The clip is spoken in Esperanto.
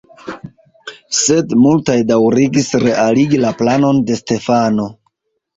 Sed multaj daŭrigis realigi la planon de Stefano.